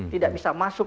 tidak bisa masuk